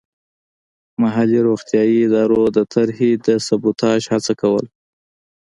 محلي روغتیايي ادارو د طرحې د سبوتاژ هڅه کوله.